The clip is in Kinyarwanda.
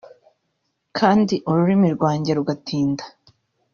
kandi ururimi rwanjye rugatinda